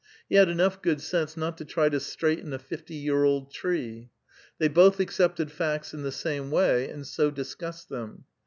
He had enough good sense not to try to straighten a fifty year old tree. They both accepted facts in the same way, and so dis cussed them.